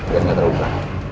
biar gak terubah